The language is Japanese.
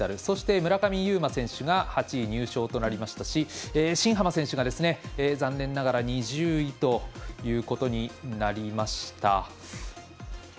そして、村上右磨選手が８位入賞となりましたし新濱選手が残念ながら２０位ということになりました。